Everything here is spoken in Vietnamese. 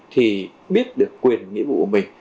thì biết được quyền nghĩa vụ của mình